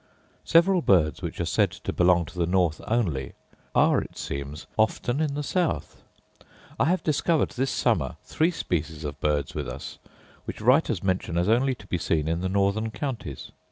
Several birds, which are said to belong to the north only, are, it seems, often in the south. I have discovered this summer three species of birds with us, which writers mention as only to be seen in the northern counties.